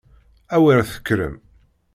A wer tekkrem!